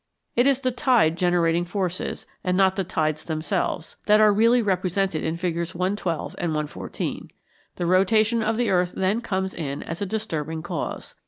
It is the tide generating forces, and not the tides themselves, that are really represented in Figs. 112 and 114. The rotation of the earth then comes in as a disturbing cause.